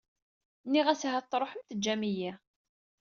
Nniɣ-as ahat truḥem teǧǧam-iyi.